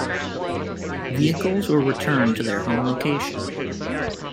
Vehicles were returned to their home location.